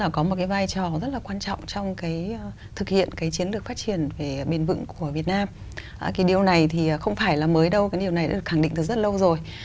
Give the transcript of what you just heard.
điều này thì không phải là mới đâu cái điều này đã được khẳng định từ rất lâu rồi